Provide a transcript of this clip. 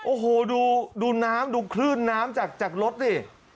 โอ้โหดูน้ำดูคลื่นน้ำจากรถดิ